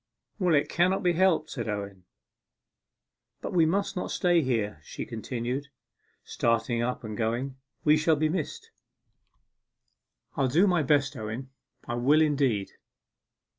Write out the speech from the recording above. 'Well, it cannot be helped,' said Owen. 'But we must not stay here,' she continued, starting up and going. 'We shall be missed. I'll do my best, Owen I will, indeed.